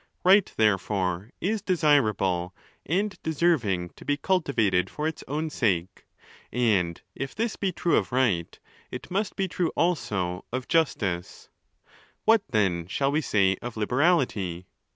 Right, therefore, is desirable and deserving to be cul tivated for its own sake; and if this be true of right, it must be true also of justice. What then shall we say of liberality?